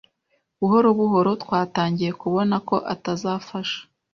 Buhoro buhoro twatangiye kubona ko atazafasha.